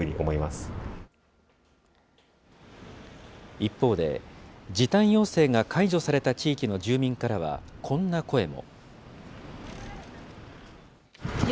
一方で、時短要請が解除された地域の住民からは、こんな声も。